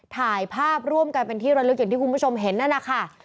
ถ่ายภาพร่วมกันเป็นที่ระลึกอย่างที่คุณผู้ชมเห็นนั่นนะคะ